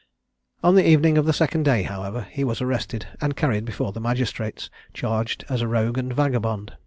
On the evening of the second day, however, he was arrested and carried before the magistrates, charged as a rogue and vagabond.